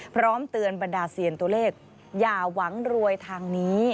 พร้อมเตือนบรรดาเซียนตัวเลขอย่าหวังรวยทางนี้